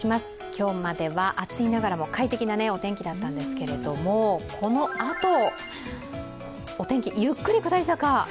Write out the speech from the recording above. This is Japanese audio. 今日までは暑いながらも快適なお天気だったんですけれども、このあと、お天気ゆっくり下り坂。